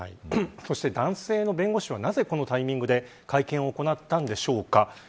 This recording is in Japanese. そして男性の弁護士はなぜ、このタイミングで会見を行ったのでしょうか。